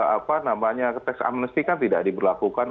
attacks amnesty kan tidak diberlakukan